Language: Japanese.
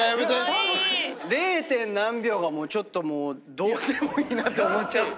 ０．何秒がちょっともうどうでもいいなと思っちゃって。